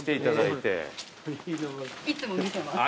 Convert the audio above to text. いつも見てます。